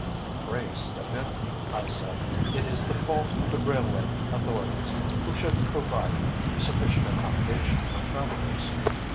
"Pray step in," I said. "It is the fault of the Railway Authorities who should provide sufficient accommodation for travellers.